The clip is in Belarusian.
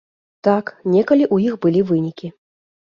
Так, некалі ў іх былі вынікі.